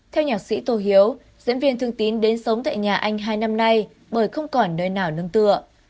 theo nhạc sĩ tô hiếu diễn viên thương tín đến sống tại nhà anh hai năm nay bởi không còn nơi nào nương tựa